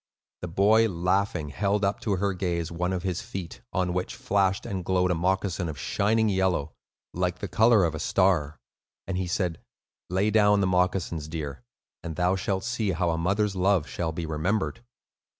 The boy, laughing, held up to her gaze one of his feet, on which flashed and glowed a moccasin of shining yellow, like the color of a star, and he said, "Lay down the moccasins, dear, and thou shalt see how a mother's love shall be remembered."